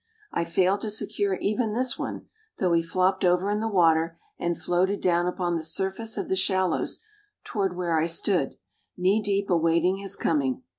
I failed to secure even this one, though he flopped over in the water and floated down upon the surface of the shallows toward where I stood, knee deep awaiting his coming.